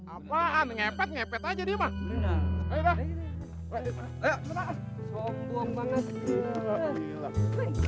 apaan ngepet ngepet aja dia mah